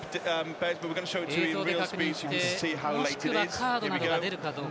映像で確認してもしくはカードなどが出るかどうか。